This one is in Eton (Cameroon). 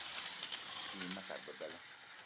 O te yi ma kat bebela.